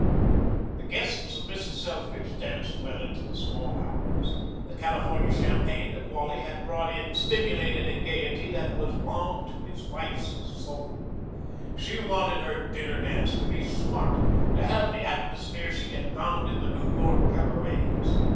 The guests of Mrs. Selfridge danced well into the small hours. The California champagne that Wally had brought in stimulated a gayety that was balm to his wife's soul. She wanted her dinner dance to be smart, to have the atmosphere she had found in the New York cabarets.